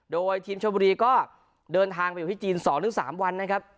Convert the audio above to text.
โดยทีมชมบุรีก็เดินทางไปอยู่ที่จีน๒๓วันนะครับ